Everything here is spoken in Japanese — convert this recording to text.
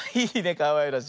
かわいらしい。